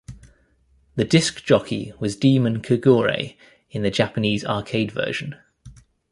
The Disk Jockey was Demon Kogure in the Japanese arcade version.